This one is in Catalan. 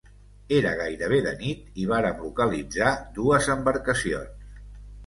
Era gairebé de nit i vàrem localitzar dues embarcacions.